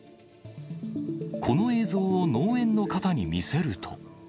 この映像を農園の方に見せると。